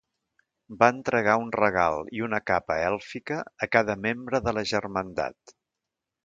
Va entregar un regal i una capa èlfica a cada membre de la germandat.